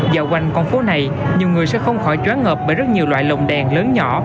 dạo quanh con phố này nhiều người sẽ không khỏi chóng ngợp bởi rất nhiều loại lồng đèn lớn nhỏ